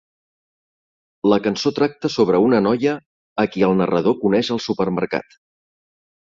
La cançó tracta sobre una noia a qui el narrador coneix al supermercat.